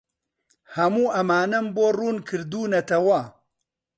هەموو ئەمانەم بۆ ڕوون کردوونەتەوە.